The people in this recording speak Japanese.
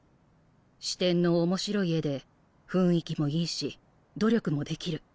視点の面白い絵で雰囲気もいいし努力もできる。